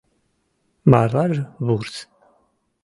Марлаже — вурс.